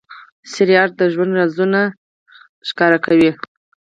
ډرامه د ژوند رازونه بربنډوي